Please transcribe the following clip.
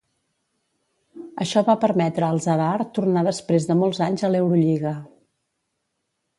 Això va permetre al Zadar tornar després de molts anys a l'Eurolliga.